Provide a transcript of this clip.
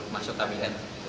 masuk ke kabinet